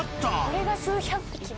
これが数百匹も。